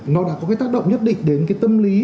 nó đã có cái tác động nhất định đến cái tâm lý